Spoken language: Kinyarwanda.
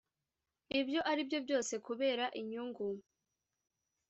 Ibyo aribyo byose kubera inyungu